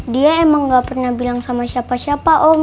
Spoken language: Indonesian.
dia emang gak pernah bilang sama siapa siapa om